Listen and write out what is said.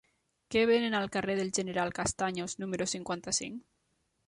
Què venen al carrer del General Castaños número cinquanta-cinc?